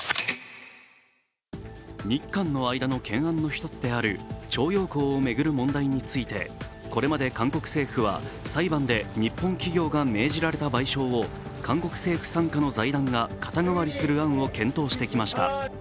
日韓の間の懸案の一つである徴用工を巡る問題についてこれまで韓国政府は裁判で日本企業が命じられた賠償を韓国政府傘下の財団が肩代わりする案を検討してきました。